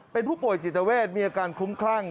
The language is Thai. เป็นผู้ป่วยจิตเวทมีอาการคลุ้มคลั่ง